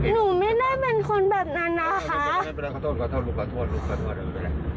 หนูไม่ได้เป็นคนแบบนั้นนะคะไม่เป็นไรขอโทษลุงขอโทษ